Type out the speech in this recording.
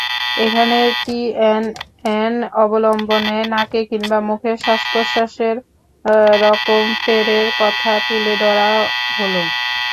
এখানে টিএনএন অবলম্বনে নাকে কিংবা মুখে শ্বাস-প্রশ্বাসের রকমফেরের কথা তুলে ধরা হলো।